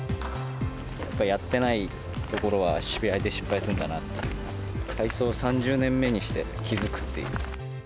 やってないところは試合で失敗するんだなって、体操３０年目にして気付くっていう。